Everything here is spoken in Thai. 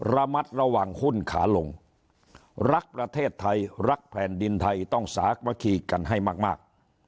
ระหว่างหุ้นขาลงรักประเทศไทยรักแผ่นดินไทยต้องสามัคคีกันให้มาก